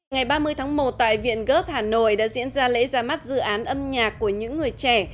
ngày ba mươi tháng một tại viện gớt hà nội đã diễn ra lễ ra mắt dự án âm nhạc của những người trẻ